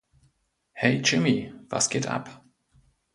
Hey, Jimmy, was geht ab?